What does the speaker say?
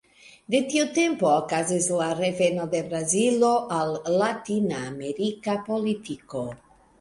De tiu tempo okazis la reveno de Brazilo al latinamerika politiko.